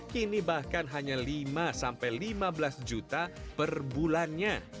kini bahkan hanya lima sampai lima belas juta per bulannya